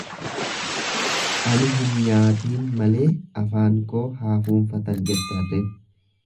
Ani hin nyaatiin malee afaan koo haa fuunfatan, jette harreen.